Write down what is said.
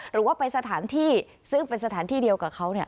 หรือว่าไปสถานที่ซึ่งเป็นสถานที่เดียวกับเขา